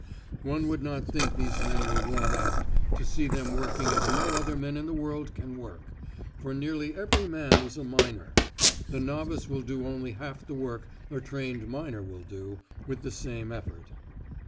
One would not think these men were "worn out," to see them working as no other men in the world can work; for nearly every man was a miner. The novice will do only half the work a trained miner will do, with the same effort.